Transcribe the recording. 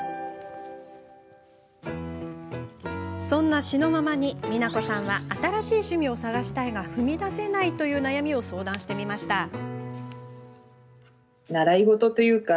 そんな紫乃ママに、みなこさんは新しい趣味を探したいが踏み出せないという悩みを相談してみました。